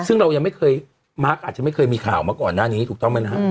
ซึ่งเรายังไม่เคยมาร์คอาจจะไม่เคยมีข่าวมาก่อนหน้านี้ถูกต้องไหมนะครับ